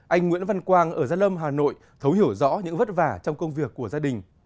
anh nguyễn văn quang ở gia lâm hà nội thấu hiểu rõ những vất vả trong công việc của gia đình